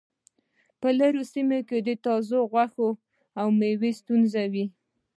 په لرې سیمو کې د تازه غوښې او میوو ستونزه وي